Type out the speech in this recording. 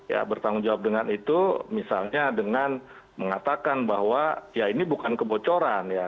ya bertanggung jawab dengan itu misalnya dengan mengatakan bahwa ya ini bukan kebocoran ya